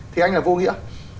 thì anh là vô nghĩa